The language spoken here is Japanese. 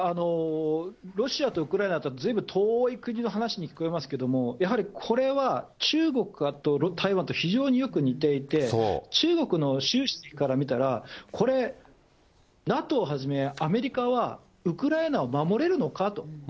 ロシアとウクライナというのは、ずいぶん遠い国の話に聞こえますけれども、やはりこれは中国と台湾と非常によく似ていて、中国の習主席から見たら、これ、ＮＡＴＯをはじめアメリカは、ウクライナを守れるのかと。